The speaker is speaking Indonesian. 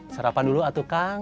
sarapan dulu atuh kang